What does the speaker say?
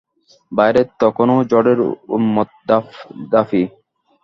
বাইরে তখনো ঝড়ের উন্মত্ত দাপদাপি।